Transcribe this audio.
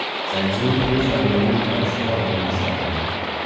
Sein Sohn Peter wurde ebenfalls Sportmediziner.